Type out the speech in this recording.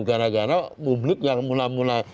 karena publik yang mulai mulai